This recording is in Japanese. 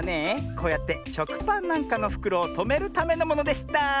こうやってしょくパンなんかのふくろをとめるためのものでした！